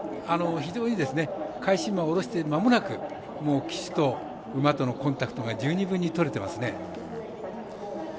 非常に返し馬をおろしてまもなく騎手と馬とのコンタクトが十二分にとれていますね。